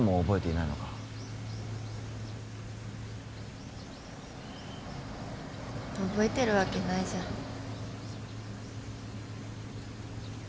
覚えてるわけないじゃん。